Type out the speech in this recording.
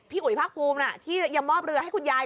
พี่อุ๋ยภาคภูมิน่ะที่มอบเรือให้คุณยาย